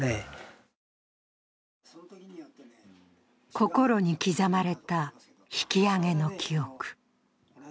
心に刻まれた引き揚げの記憶。